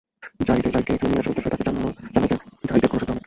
যারীদকে এখানে নিয়ে আসার উদ্দেশ্যও তাকে জানায় যে, যারীদের কন্যা সন্তান অনেক।